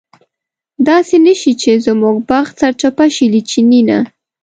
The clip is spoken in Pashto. داسې نه شي چې زموږ بخت سرچپه شي له چیني نه.